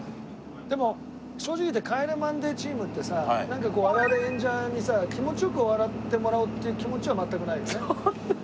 でも正直言って帰れマンデーチームってさなんかこう我々演者にさ気持ちよく終わってもらおうっていう気持ちは全くないよね。